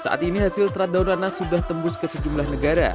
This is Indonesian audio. saat ini hasil serat daun rana sudah tembus ke sejumlah negara